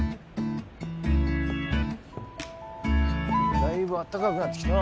だいぶあったかくなってきたな。